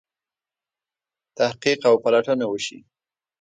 تحقیق او پلټنه وشي.